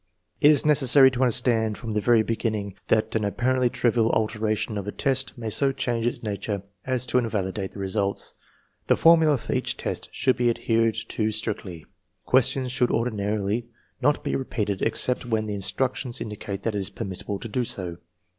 It is necessary to understand, from the very begin ning, that an apparently trivial alteration of a test may so change its nature as to invalidate the results. The formula for each test should be adhered to strictly. Questions should ordinarily not be repeated except when the instructions indicate that it is permissible to do so.